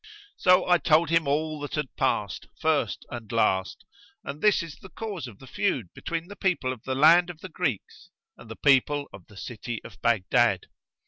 So I told him all that had passed, first and last; and this is the cause of the feud between the people of the land of the Greeks and the people of the city of Baghdad.